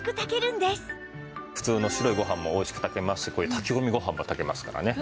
普通の白いご飯もおいしく炊けますしこういう炊き込みご飯も炊けますからね。